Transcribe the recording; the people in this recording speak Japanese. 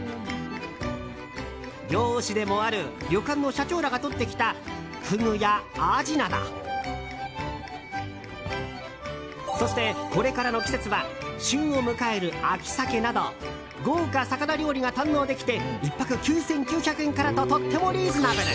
漁師でもある旅館の社長らがとってきたフグやアジなどそして、これからの季節は旬を迎える秋サケなど豪華魚料理が堪能できて１泊９９００円からととってもリーズナブル。